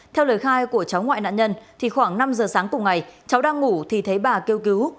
theo lời khai của cháu ngoại nạn nhân thì khoảng năm giờ sáng cùng ngày cháu đang ngủ thì thấy bà kêu cứu